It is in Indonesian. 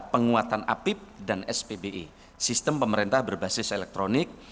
penguatan apip dan spbe sistem pemerintah berbasis elektronik